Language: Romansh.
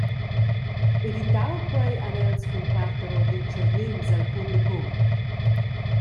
Evitau quei han els cun parter ora dultschergnems al publicum.